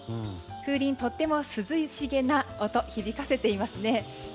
風鈴、とっても涼しげな音を響かせていますね。